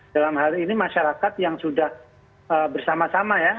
dalam hal ini masyarakat yang sudah bersama sama ya